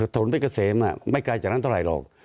เพชรเกษมไม่ไกลจากนั้นเท่าไหร่หรอก